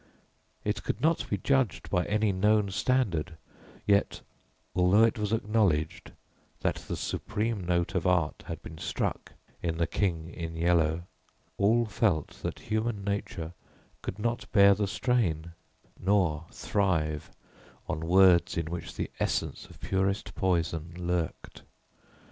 It could not be judged by any known standard, yet, although it was acknowledged that the supreme note of art had been struck in The King in Yellow, all felt that human nature could not bear the strain, nor thrive on words in which the essence of purest poison lurked.